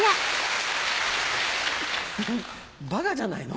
バカじゃないの？